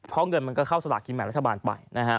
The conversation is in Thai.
เพราะเงินมันก็เข้าสละกริมแนวรัฐบาลไป